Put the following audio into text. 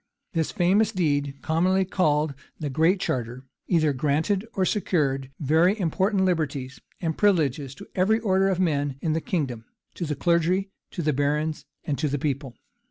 This famous deed, commonly called the Great Charter, either granted or secured very important liberties and privileges to every order of men in the kingdom; to the clergy, to the barons, and to the people.